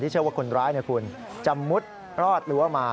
ที่เชื่อว่าคนร้ายคุณจะมุดรอดหรือว่ามา